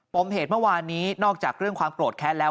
เหตุเมื่อวานนี้นอกจากเรื่องความโกรธแค้นแล้ว